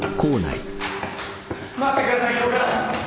待ってください教官！